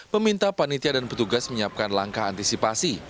meminta panitia dan petugas menyiapkan langkah antisipasi